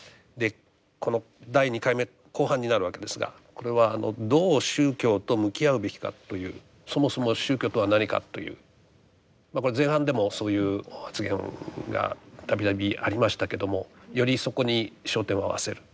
この第２回目後半になるわけですが「どう宗教と向き合うべきか」というそもそも宗教とは何かというこれ前半でもそういう発言が度々ありましたけどもよりそこに焦点を合わせる。